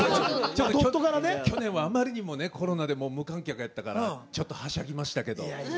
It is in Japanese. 去年はあまりにもコロナで無観客やったからはしゃぎました。